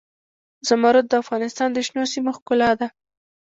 زمرد د افغانستان د شنو سیمو ښکلا ده.